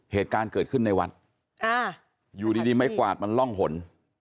เหตุการณ์เกิดขึ้นในวัดอยู่ดีไม้กวาดมันร่องหน